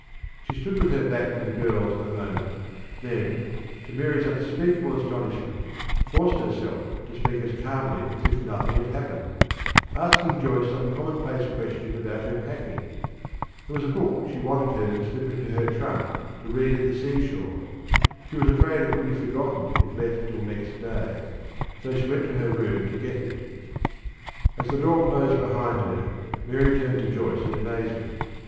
She stood with her back to the girls a moment, then, to Mary's unspeakable astonishment, forced herself to speak as calmly as if nothing had happened, asking Joyce some commonplace question about her packing. There was a book she wanted her to slip into her trunk to read at the seashore. She was afraid it would be forgotten if left till next day, so she went to her room to get it. As the door closed behind her, Mary turned to Joyce in amazement.